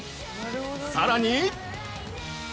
さらに！